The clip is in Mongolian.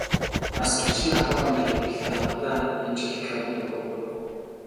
Асрагчийн халуун тэврэлт анх удаа Анжеликагийн дургүйг хүргэв.